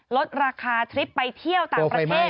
ลดราคาทริปไปเที่ยวต่างประเทศ